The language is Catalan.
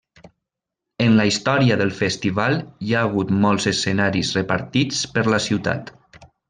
En la història del festival hi ha hagut molts escenaris repartits per la ciutat.